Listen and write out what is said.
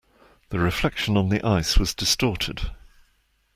The reflection on the ice was distorted.